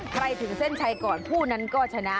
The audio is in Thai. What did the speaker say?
ถึงเส้นชัยก่อนผู้นั้นก็ชนะ